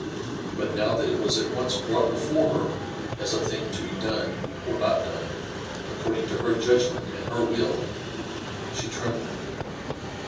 But now that it was at once brought before her as a thing to be done, of not done, accordiqg to her judg ment and her will, she trembled.